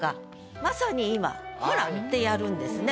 まさに「いま」「ほら」ってやるんですね。